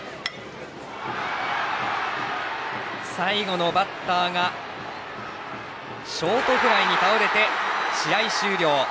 最後のバッターがショートフライに倒れて試合終了。